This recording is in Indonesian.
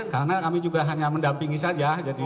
karena kami juga hanya mendampingi saja